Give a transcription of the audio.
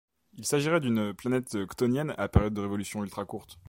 Il s'agirait d'une planète chthonienne à période de révolution ultra-courte.